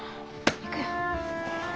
行くよ。